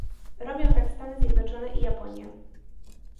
Robią tak Stany Zjednoczone i Japonia